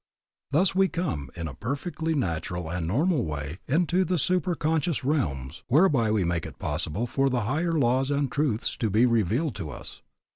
Thus we come, in a perfectly natural and normal way, into the super conscious realms whereby we make it possible for the higher laws and truths to be revealed to us.